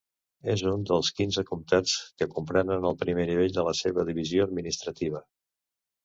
És un dels quinze comtats que comprenen el primer nivell de la seva divisió administrativa.